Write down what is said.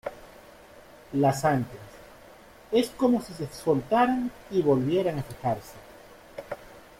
las anclas, es como si se soltaran y volvieran a fijarse.